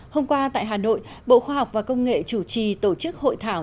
hôm qua tại hà nội bộ khoa học và công nghệ chủ trì tổ chức hội thảo